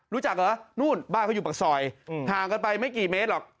รู้จักเหรอนู่นบ้านเขาอยู่ปากซอยห่างกันไปไม่กี่เมตรหรอก